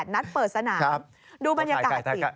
นัดเปิดสนามดูบรรยากาศสิ